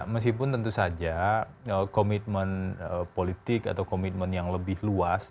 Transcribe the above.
meskipun tentu saja komitmen politik atau komitmen yang lebih luas